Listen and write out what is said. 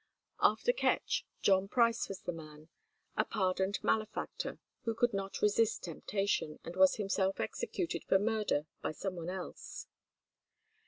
After Ketch, John Price was the man, a pardoned malefactor, who could not resist temptation, and was himself executed for murder by some one else.